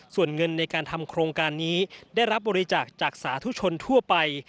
ส่วนเงินในการทำโครงการนี้ได้รับบริจาคจากสาธุชนทั่วไป